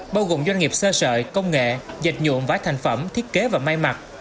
bao gồm doanh nghiệp sơ sợi công nghệ dệt nhuộm vải thành phẩm thiết kế và may mặt